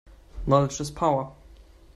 Knowledge is power.